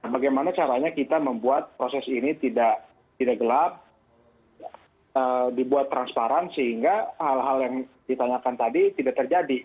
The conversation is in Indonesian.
bagaimana caranya kita membuat proses ini tidak gelap dibuat transparan sehingga hal hal yang ditanyakan tadi tidak terjadi